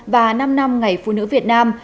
và năm năm ngày phụ nữ việt nam